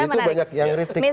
itu banyak yang retik